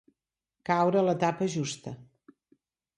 Caure la tapa justa.